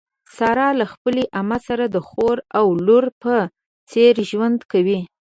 ساره له خپلې عمه سره د خور او لور په څېر ژوند کوي.